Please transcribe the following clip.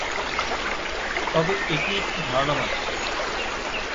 তবে এটি একটি ধারণা মাত্র।